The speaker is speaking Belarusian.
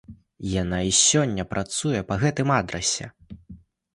Яна і сёння працуе па гэтым адрасе.